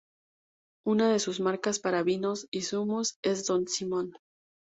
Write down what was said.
Una de sus marcas para vinos y zumos es Don Simón.